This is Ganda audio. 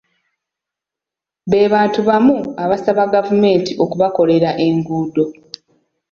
Be bantu be bamu abasaba gavumenti okubakolera enguudo.